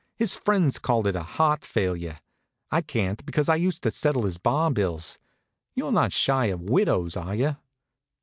His friends called it heart failure. I can't because I used to settle his bar bills. You're not shy of widows, are you?"